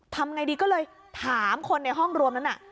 ทำไงดีก็เลยถามคนในห้องรวมนั้นน่ะ